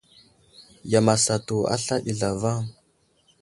Yam asatu asla ɗi zlavaŋ.